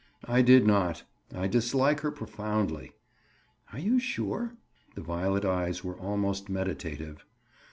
"I did not. I dislike her profoundly." "Are you sure?" The violet eyes were almost meditative.